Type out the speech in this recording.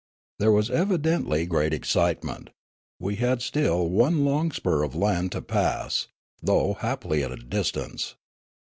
There was evidently great excitement ; we had still one long spur of land to pass, though happily at a distance.